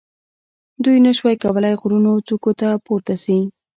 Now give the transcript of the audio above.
دوی نه شوای کولای غرونو څوکو ته پورته شي.